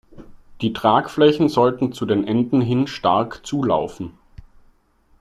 Die Tragflächen sollten zu den Enden hin stark zulaufen.